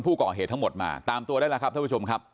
ผู้ก่อเหตุทั้งหมดมาตามตัวได้แล้วครับท่านผู้ชมครับ